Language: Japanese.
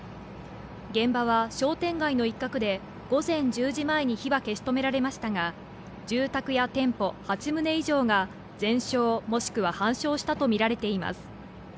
現場は商店街の一角で、午前１０時前に火は消し止められましたが、住宅や店舗８棟以上が全焼、もしくは半焼したと見られています。